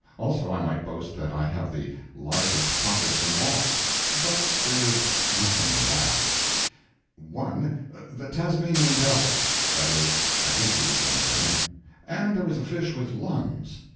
Also, I might boast that I have the largest pocket of them all. But there is nothing in that.] one, the "Tasmanian devil;" that is, I think he was one of them. And there was a fish with lungs.